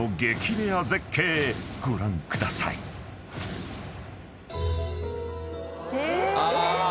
レア絶景ご覧ください］え！